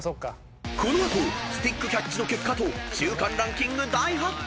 ［この後スティックキャッチの結果と中間ランキング大発表！］